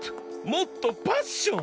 もっとパッション！